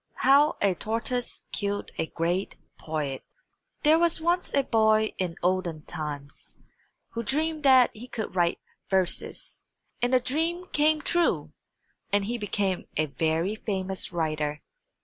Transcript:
HOW A TORTOISE KILLED A GREAT POET There was once a boy in olden times who dreamed that he could write verses, and the dream came true, and he became a very famous writer.